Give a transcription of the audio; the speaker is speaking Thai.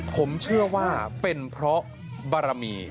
ผมเชื่อว่าเป็นเพราะบารมี